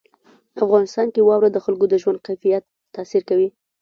افغانستان کې واوره د خلکو د ژوند کیفیت تاثیر کوي.